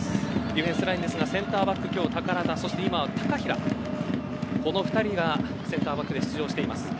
ディフェンスラインのセンターバックは宝田と高平この２人がセンターバックで出場しています。